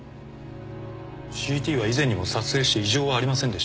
ＣＴは以前にも撮影して異常はありませんでした。